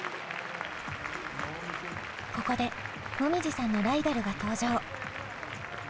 ここでもみじさんのライバルが登場。